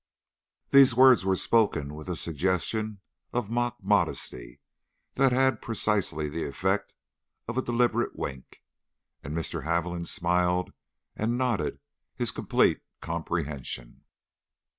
These words were spoken with a suggestion of mock modesty that had precisely the effect of a deliberate wink, and Mr. Haviland smiled and nodded his complete comprehension.